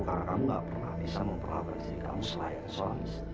karena kamu gak pernah bisa memperlakukan istri kamu selayang suami istri kamu